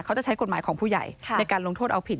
ใช้กฎหมายของผู้ใหญ่ในการลงโทษเอาผิด